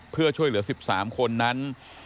เพื่อช่วยเหลือ๑๓คนนั้น